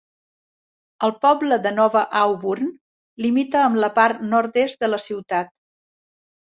El poble de nova Auburn limita amb la part nord-est de la ciutat.